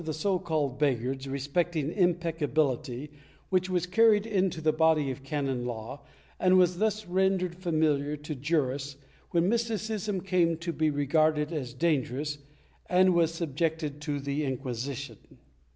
V] IMPECCABILITY 3 the tenets of the so called Begghards respecting impeccability* was carried into the body of canon law and thus was rendered familiar to j mists, when mysticism came to be regarded as danger ous and was subjected to the Inquisition.